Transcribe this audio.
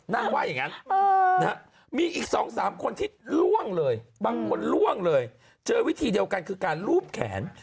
ว่าอย่างนั้นมีอีก๒๓คนที่ล่วงเลยบางคนล่วงเลยเจอวิธีเดียวกันคือการลูบแขน